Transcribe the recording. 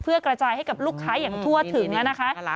เพื่อกระจายให้กับลูกค้าอย่างทั่วถึงนะคะ